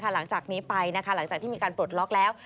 หลังจากนี้ไปหลังจากที่มีการปลดล็อกแล้ว